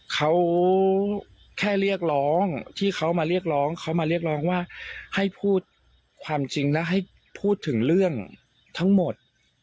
เขาแค่เรียกร้องที่เขามาเรียกร้องเขามาเรียกร้องว่าให้พูดความจริงแล้วให้พูดถึงเรื่องทั้งหมด